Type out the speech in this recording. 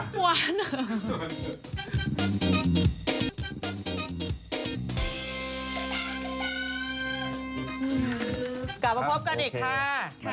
กลับมาพบกันอีกค่ะ